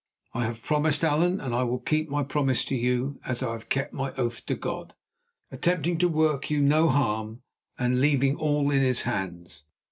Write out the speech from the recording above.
"I have promised, Allan, and I will keep my promise to you, as I have kept my oath to God, attempting to work you no harm, and leaving all in His hands.